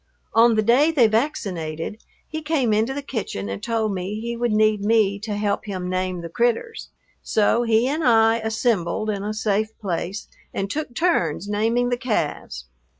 On the day they vaccinated he came into the kitchen and told me he would need me to help him name the "critters." So he and I "assembled" in a safe place and took turns naming the calves.